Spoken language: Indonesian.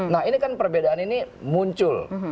nah ini kan perbedaan ini muncul